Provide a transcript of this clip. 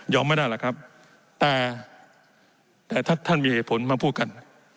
ไม่ได้หรอกครับแต่แต่ถ้าท่านมีเหตุผลมาพูดกัน